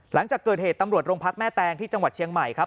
หลังจากเกิดเหตุตำรวจโรงพักแม่แตงที่จังหวัดเชียงใหม่ครับ